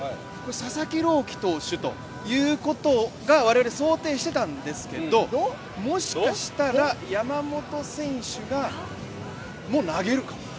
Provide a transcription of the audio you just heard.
佐々木朗希投手ということが我々、想定していたんですけどもしかしたら、山本選手も投げるかも。